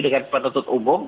dengan penuntut umum